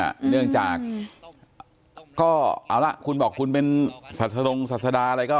หนึ่งอ่ะเนื่องจากก็เอาล่ะคุณบอกคุณเป็นสัตว์ทรงสัตว์สดาอะไรก็